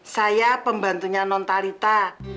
saya pembantunya nontalita